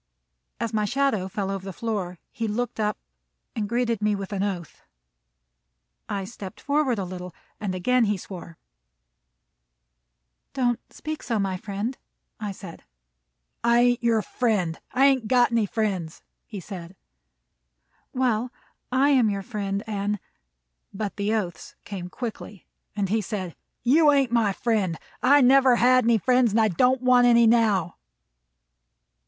As my shadow fell over the floor, he looked up and greeted me with an oath. I stepped forward a little, and again he swore. "Don't speak so, my friend," I said. "I ain't your friend. I ain't got any friends," he said. "Well, I am your friend, and " But the oaths came quickly, and he said: "You ain't my friend. I never had any friends, and I don't want any now."